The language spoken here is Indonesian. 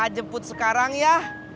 jemput sekarang ya